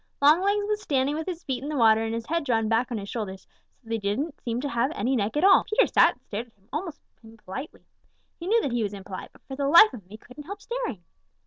Longlegs was standing with his feet in the water and his head drawn back on his shoulders so that he didn't seem to have any neck at all. Peter sat and stared at him most impolitely. He knew that he was impolite, but for the life of him he couldn't help staring.